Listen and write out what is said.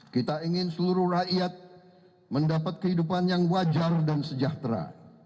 kita ingin seluruh rakyat mendapat kehidupan yang wajar dan sejahtera